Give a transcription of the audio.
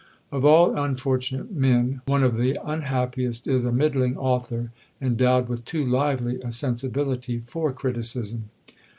Of all unfortunate men, one of the unhappiest is a middling author endowed with too lively a sensibility for criticism.